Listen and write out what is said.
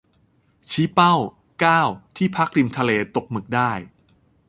ชี้เป้า เก้า ที่พักริมทะเลตกหมึกได้